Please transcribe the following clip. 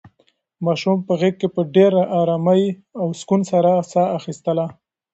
ماشوم په غېږ کې په ډېرې ارامۍ او سکون سره ساه اخیستله.